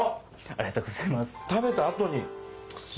ありがとうございます。